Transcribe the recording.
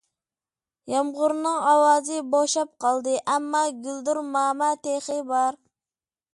يامغۇرنىڭ ئاۋازى بوشاپ قالدى، ئەمما گۈلدۈرماما تېخى بار.